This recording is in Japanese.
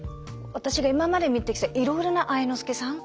私が今まで見てきたいろいろな愛之助さん。